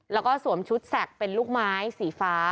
แล้วก็สวมชุดแสกเป็นลูกไม้สีฟ้า